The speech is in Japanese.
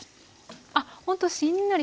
あっほんとしんなり。